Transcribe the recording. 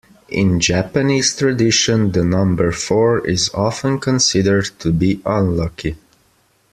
In Japanese tradition, the number four is often considered to be unlucky